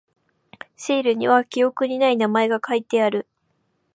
シールには記憶にない名前が書いてある。